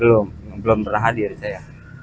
belum belum pernah hadir saya